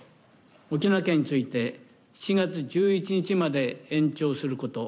沖縄県について７月１１日まで延長すること。